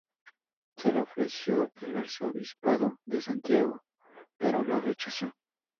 Se le ofreció el arzobispado de Santiago, pero lo rechazó.